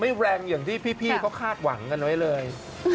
แรงอย่างที่พี่เขาคาดหวังกันไว้เลย